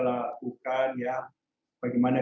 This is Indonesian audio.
lakukan ya bagaimana